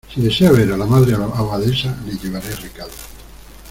si desea ver a la Madre Abadesa, le llevaré recado.